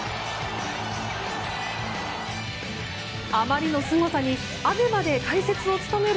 あまりのすごさにＡＢＥＭＡで解説を務める